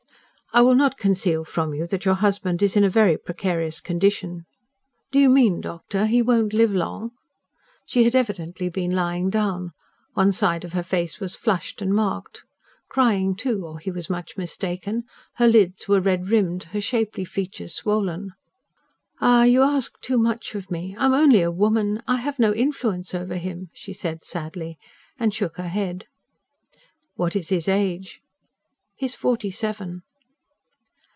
"I will not conceal from you that your husband is in a very precarious condition." "Do you mean, doctor, he won't live long?" She had evidently been lying down: one side of her face was flushed and marked. Crying, too, or he was much mistaken: her lids were red rimmed, her shapely features swollen. "Ah, you ask too much of me; I am only a woman; I have no influence over him," she said sadly, and shook her head. "What is his age?" "He is forty seven."